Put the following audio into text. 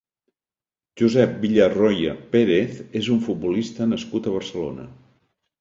Josep Villarroya Pérez és un futbolista nascut a Barcelona.